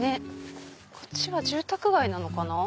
こっちは住宅街なのかな？